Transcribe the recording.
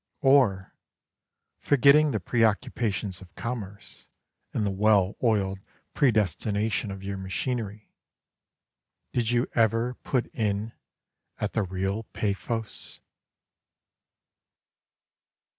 Or, forgetting the pre occupations of commerce and the well oiled predestination of your machinery, did you ever put in at the real Paphos